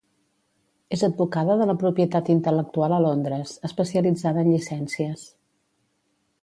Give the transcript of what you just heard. És advocada de propietat intel·lectual a Londres, especialitzada en llicències.